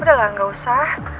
udah lah gak usah